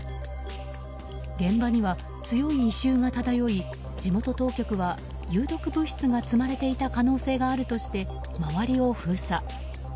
現場には強い異臭が漂い地元当局は有毒物質が積まれていた可能性があるとして、周りを封鎖。